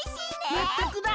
まったくだ。